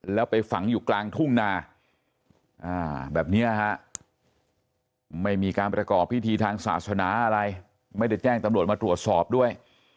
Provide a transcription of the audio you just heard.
แล้วไปฝังอยู่กลางทุ่งนาแบบนี้ฮะไม่มีการประกอบพิธีทางศาสนาอะไรไม่ได้แจ้งตำรวจมาตรวจสอบด้วย